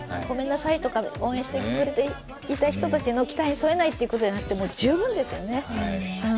ごめんなさいとか、応援してくれた人たちの期待に添えないということじゃなくて、もう十分ですよね。